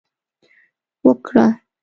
وکړه